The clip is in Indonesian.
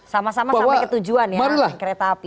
sama sama sampai ke tujuan ya kereta api